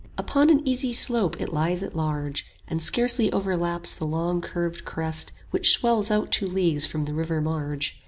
Upon an easy slope it lies at large And scarcely overlaps the long curved crest 30 Which swells out two leagues from the river marge.